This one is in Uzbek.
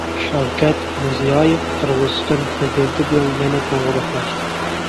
Shavkat Mirzieyov Qirg‘iziston Prezidenti bilan yana qo‘ng‘iroqlashdi